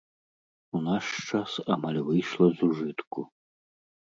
У наш час амаль выйшла з ужытку.